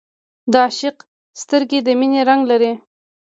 د عاشق سترګې د مینې رنګ لري